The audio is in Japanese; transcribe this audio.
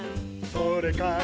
「それから」